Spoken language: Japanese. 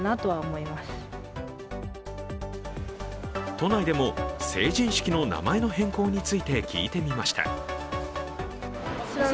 都内でも成人式の名前の変更について聞いてみました。